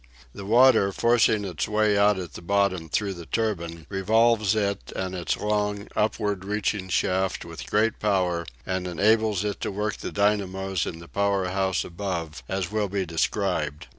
The water, forcing its way out at the bottom through the turbine, revolves it and its long, upward reaching shaft with great power, and enables it to work the dynamos in the power house above, as will be described.